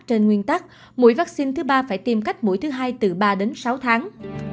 trên nguyên tắc mũi vaccine thứ ba phải tìm cách mũi thứ hai từ ba đến sáu tháng